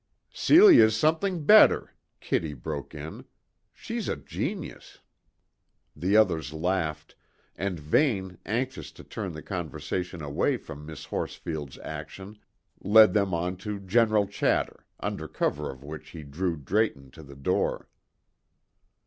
"Celia's something better," Kitty broke in. "She's a genius." The others laughed, and Vane, anxious to turn the conversation away from Miss Horsfield's action, led them on to general chatter, under cover of which he drew Drayton to the door.